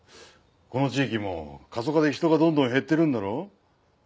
この地域も過疎化で人がどんどん減ってるんだろう？